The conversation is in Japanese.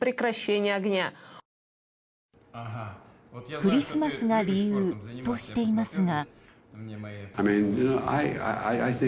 クリスマスが理由としていますが。